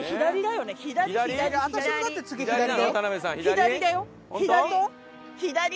左だよ左。